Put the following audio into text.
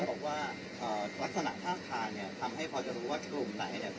บอกว่าลักษณะข้างทางเนี่ยทำให้พอจะรู้ว่ากลุ่มไหนเนี่ย